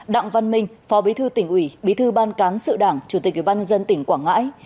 đặng văn minh phó bí thư tỉnh ủy bí thư ban cán sự đảng chủ tịch ủy ban nhân dân tỉnh quảng ngãi